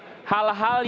hal hal yang terjadi